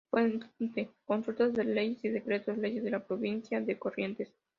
Fuente: Consultas de Leyes y Decretos Leyes de la Provincia de Corrientes